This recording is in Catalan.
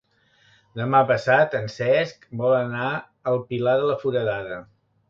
Demà passat en Cesc vol anar al Pilar de la Foradada.